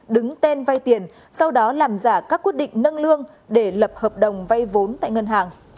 đứng tên vay tiền sau đó làm giả các quyết định nâng lương để lập hợp đồng vay vốn tại ngân hàng